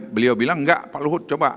beliau bilang enggak pak luhut coba